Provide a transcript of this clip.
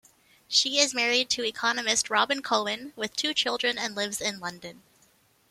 She is married to economist Robin Cohen with two children and lives in London.